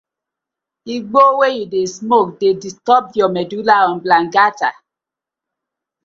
Igbo wey yu dey smoke dey disturb yah medulla oblongata.